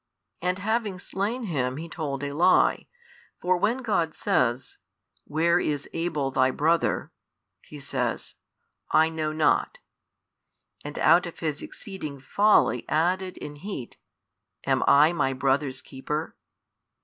And having slain him, he told a lie; for when |655 God says. Where is Abel thy brother? he says, I know not, and out of his exceeding folly added in heat, Am I my brother's keeper?